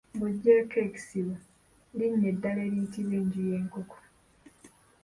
Ng'oggyeko ekisibo, linnya eddala eriyitibwa enju y'enkoko?